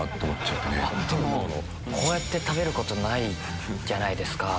こうやって食べることないじゃないですか。